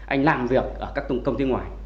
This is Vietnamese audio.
anh làm việc ở các công ty ngoài